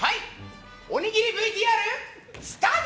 おにぎりＶＴＲスタート！